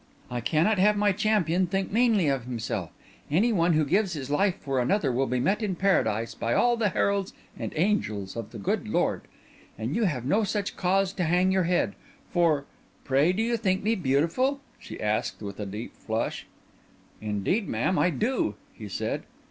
"I cannot have my champion think meanly of himself. Any one who gives his life for another will be met in Paradise by all the heralds and angels of the Lord God. And you have no such cause to hang your head. For ... Pray, do you think me beautiful?" she asked, with a deep flush. "Indeed, madam, I do," he said.